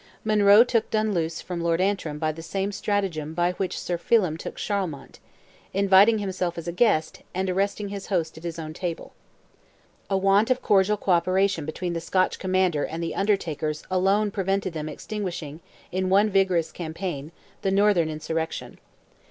Monroe took Dunluce from Lord Antrim by the same stratagem by which Sir Phelim took Charlemont—inviting himself as a guest, and arresting his host at his own table. A want of cordial co operation between the Scotch commander and "the Undertakers" alone prevented them extinguishing, in one vigorous campaign, the northern insurrection.